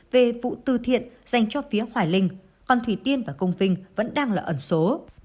về vụ tư thiện dành cho phía hoài linh còn thủy tiên và công vinh vẫn đang là ẩn số